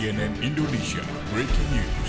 hai cnn indonesia breaking news